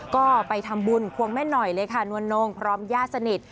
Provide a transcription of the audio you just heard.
ก็ไปทำบุญควงแม่หน่อยเลยค่ะนวลโน่งพร้อมญาติสนิท